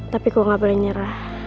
tapi gue gak boleh nyerah